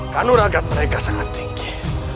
kanuragan mereka sangat tinggi